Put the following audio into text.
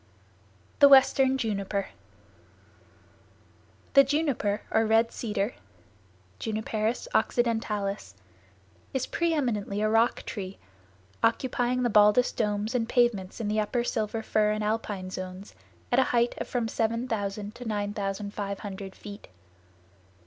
The Western Juniper The Juniper or Red Cedar (Juniperus occidentalis) is preëminently a rock tree, occupying the baldest domes and pavements in the upper silver fir and alpine zones, at a height of from 7000 to 9500 feet.